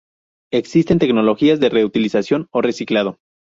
Existen tecnologías de reutilización o reciclado.